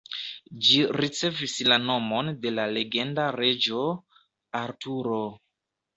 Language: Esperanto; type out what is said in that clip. Ĝi ricevis la nomon de la legenda reĝo Arturo.